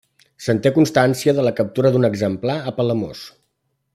Se'n té constància de la captura d'un exemplar a Palamós.